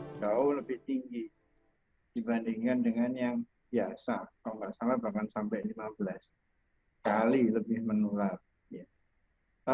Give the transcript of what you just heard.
yang biasa kalau nggak salah bahkan sampai lima belas kali lebih menular